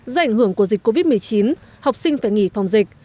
do ảnh hưởng của dịch covid một mươi chín học sinh phải nghỉ phòng dịch